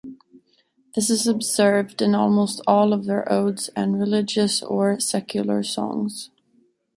This is observed in almost all of their odes and religious or secular songs.